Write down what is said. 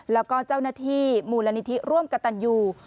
แล้วก็เจ้าหน้าที่มูลนิธิร่วมกับตันยู